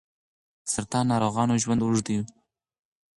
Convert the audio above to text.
د سرطان ناروغانو ژوند اوږدوي.